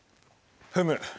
ふむ。